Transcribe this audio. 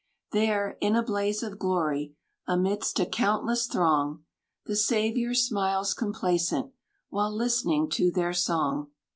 There, in a blaze of glory, Amidst a countless throng, The Saviour smiles complacent, While listening to their song.